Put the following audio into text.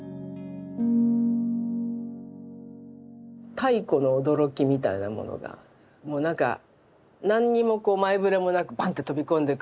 太古の驚きみたいなものがもうなんか何にもこう前触れなくばんって飛び込んでくる。